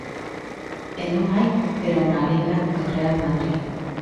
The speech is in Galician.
E non hai pero na Liga do Real Madrid.